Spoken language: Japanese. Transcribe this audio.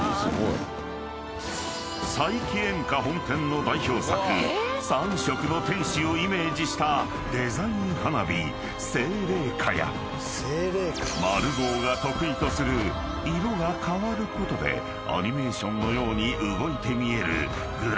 ［齊木煙火本店の代表作３色の天使をイメージしたデザイン花火聖礼花やマルゴーが得意とする色が変わることでアニメーションのように］